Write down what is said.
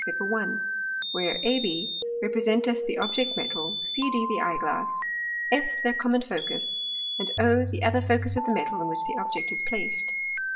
Fig. 1._ where AB representeth the Object Metal, CD the Eye glass, F their common Focus, and O the other Focus of the Metal, in which the Object is placed.